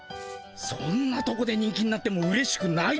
そんなとこで人気になってもうれしくないっての。